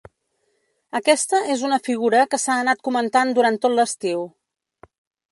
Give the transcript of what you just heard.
Aquesta és una figura que s’ha anat comentant durant tot l’estiu.